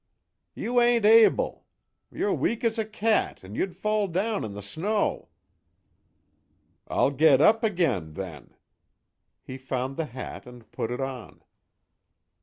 "You ain't able! You're weak as a cat, and you'd fall down in the snow." "I'll get up again, then." He found the hat and put it on.